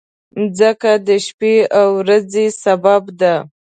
مځکه د شپې او ورځې سبب ده.